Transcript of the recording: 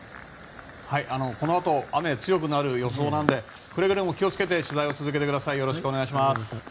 このあと雨が強くなる予想なのでくれぐれも気を付けて取材を続けてください。